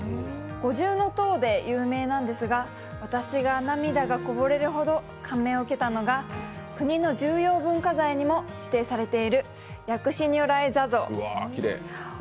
五重搭で有名なんですが、私が涙がこぼれるほど感銘を受けたのが国の重要文化財にも指定されている薬師如来坐像。